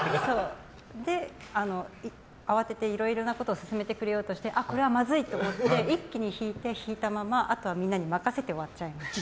で、慌てていろいろなことを進めてくれようとしてあ、これはまずいと思って一気に引いて、引いたままあとはみんなに任せて終わっちゃいました。